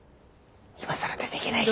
いまさら出て行けないし！